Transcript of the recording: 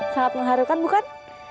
sangat mengharukan bukan